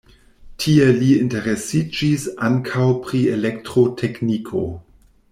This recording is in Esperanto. Tie li interesiĝis ankaŭ pri elektrotekniko.